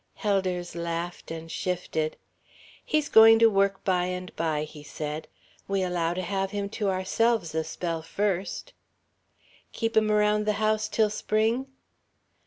Helders laughed and shifted. "He's going to work by and by," he said. "We allow to have him to ourselves a spell first." "Keep him around the house till Spring?"